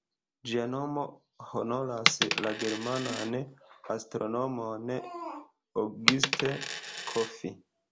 Ĝia nomo honoras la germanan astronomon August Kopff.